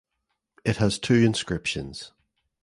It has two inscriptions.